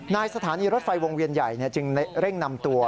สถานีรถไฟวงเวียนใหญ่จึงเร่งนำตัว